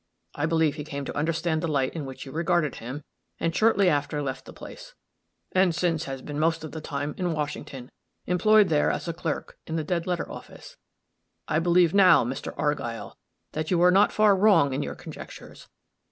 I believe he came to understand the light in which you regarded him, and shortly after left the place, and since has been most of the time, in Washington, employed there as a clerk in the dead letter office. I believe now, Mr. Argyll, that you were not far wrong in your conjectures.